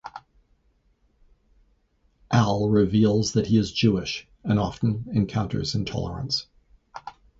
Al reveals that he is Jewish and often encounters intolerance.